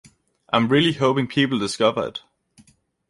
I'm really hoping people discover it.